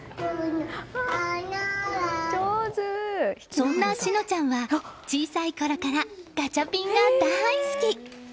そんな心和ちゃんは小さいころからガチャピンが大好き！